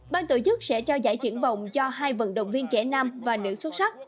ban tổ chức sẽ trao giải triển vọng cho hai vận động viên trẻ nam và nữ xuất sắc